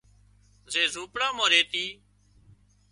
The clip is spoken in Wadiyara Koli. زي زونپڙا مان ريتِي